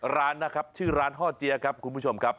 ร้านนะครับชื่อร้านฮ่อเจี๊ยครับคุณผู้ชมครับ